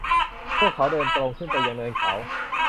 พวกเขาเดินตรงขึ้นไปยังเนินเขา